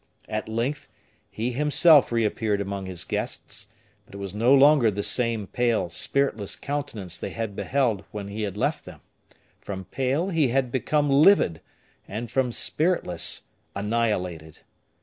At length, he himself re appeared among his guests; but it was no longer the same pale, spiritless countenance they had beheld when he left them; from pale he had become livid; and from spiritless, annihilated.